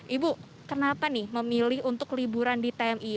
ibu kenapa nih memilih untuk liburan di tmi